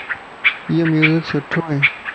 ايو ميوزڪ سٺو ائي